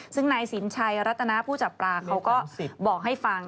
ซึ่งนายสินชัยรัตนาผู้จับปลาเขาก็บอกให้ฟัง